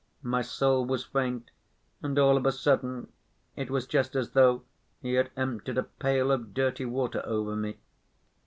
My soul was faint, and all of a sudden it was just as though he had emptied a pail of dirty water over me.